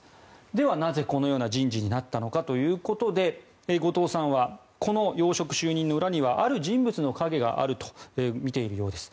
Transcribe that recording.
では、なぜこのような人事になったのかということで後藤さんはこの要職就任の裏にはある人物の影があると見ているようです。